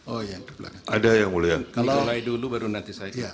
oh iya ada yang mulia